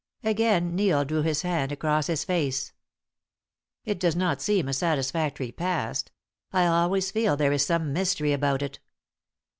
Again Neil drew his hand across his face. "It does not seem a satisfactory past. I always feel there is some mystery about it."